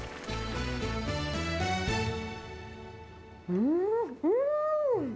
うーん、うん。